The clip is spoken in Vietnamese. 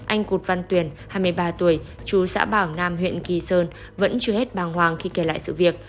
anh cụt văn tuyền hai mươi ba tuổi chú xã bảo nam huyện kỳ sơn vẫn chưa hết bàng hoàng khi kể lại sự việc